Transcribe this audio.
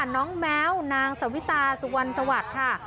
น้องแม้วนางสวิตาสุวรรณสวัสดิ์ค่ะ